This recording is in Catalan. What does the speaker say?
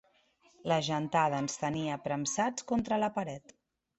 La gentada ens tenia premsats contra la paret.